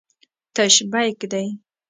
تش بیک دی.